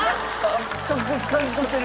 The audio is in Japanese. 直接感じ取ってる。